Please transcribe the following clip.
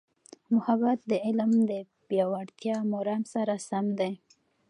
محبت د علم د پیاوړتیا مرام سره سم دی.